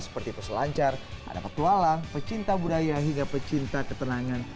seperti peselancar anak petualang pecinta budaya hingga pecinta ketenangan